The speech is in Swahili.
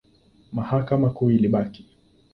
Mahakama Kuu ilibaki.